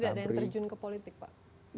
tidak ada yang terjun ke politik pak